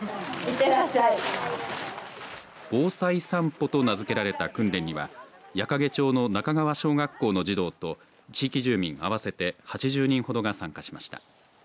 防災さんぽと名付けられた訓練には矢掛町の中川小学校の児童と地域住民合わせて８０人ほどが参加しました。